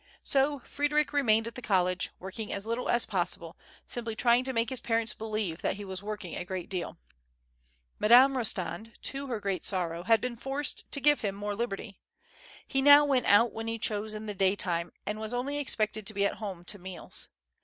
So Frederic remained at the col lege, working as little as possible, simply trying to make his parents believe that he was working a great deal. Madame Eostand, to her great sorrow, had been forced to give him more liberty. He now went out when he chose in the dajdime, and was only expected to be at home to meals.